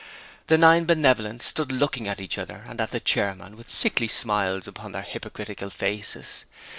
The nine Benevolent stood looking at each other and at the Chairman with sickly smiles upon their hypocritical faces.